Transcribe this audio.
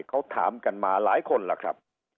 เขาถามกันมาหลายคนล่ะครับ